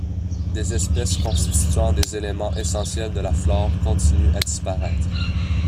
Des espèces constituant des éléments essentiels de la flore continuent à disparaître.